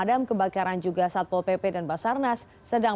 udah empat puluh dua menit keluar semua baru ambil gudang